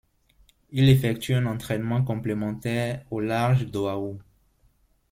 Il effectue un entrainement complémentaire au large d'Oahu.